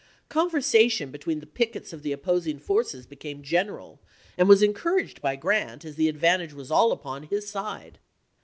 Conversation between the pickets of the opposing forces became general, and was en couraged by Grant, as the advantage was all upon his side.